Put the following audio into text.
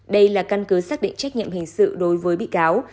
đây là căn cứ xác định trách nhiệm hình sự đối với bị cáo